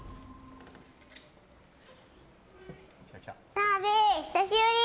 澤部、久しぶり！